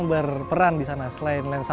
dulu melati ini banyak